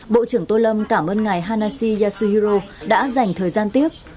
bộ trưởng tô lâm cảm ơn ngài hanashi yasuhiro đã dành thời gian tiếp